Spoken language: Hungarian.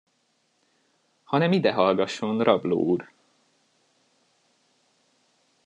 Hanem idehallgasson, rabló úr!